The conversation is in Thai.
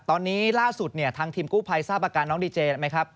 ตอนนี้ล่าสุดเนี่ยทางทีมกู้ภัยทราบอาการน้องดีเจไหมครับ